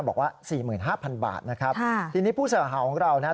บอกว่า๔๕๐๐๐บาทนะครับทีนี้ผู้สาหาวของเรานะฮะ